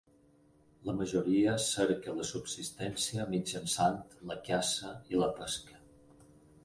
La majoria cerca la subsistència mitjançant la caça i la pesca.